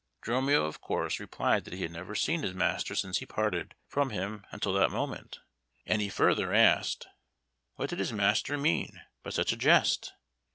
Dromio, of course, replied that he had never seen his master since he parted from him until that moment; and he further asked, what did his master mean by such a jest?